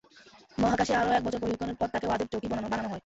মহাকাশে আরও এক বছর প্রশিক্ষণের পর তাকে ওয়েব জকি বানানো হয়।